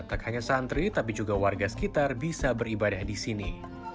tak hanya santri tapi juga warga sekitar bisa beribadah di sini